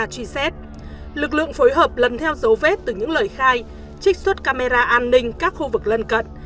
truy xét lực lượng phối hợp lần theo dấu vết từ những lời khai trích xuất camera an ninh các khu vực lân cận